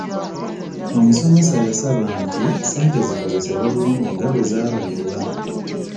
Omusomesa yasaba nti ssente zikozesebwe bulungi nga bwe zaabalirirwa.